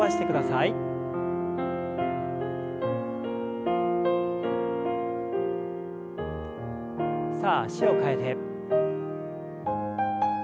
さあ脚を替えて。